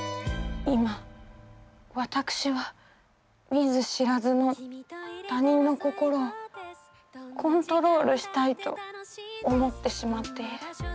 今私は見ず知らずの他人の心をコントロールしたいと思ってしまっている。